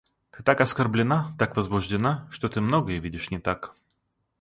Ты так оскорблена, так возбуждена, что ты многое видишь не так.